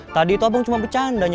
tadi itu abang cuma bercandanya